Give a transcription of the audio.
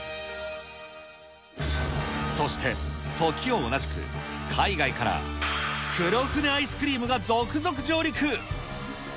そして、時を同じく、海外から黒船アイスクリームが続々上陸。